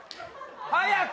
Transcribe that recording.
早く！